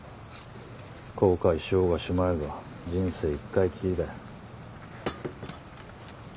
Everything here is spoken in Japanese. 後悔しようがしまいが人生一回きりだ。